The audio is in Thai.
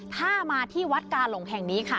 ถ้ามาที่วัดกาหลงแห่งนี้ค่ะ